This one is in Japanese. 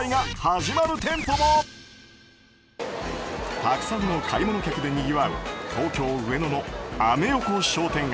たくさんの買い物客でにぎわう東京・上野のアメ横商店街。